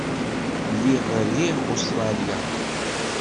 Lliɣ riɣ Ustṛalya.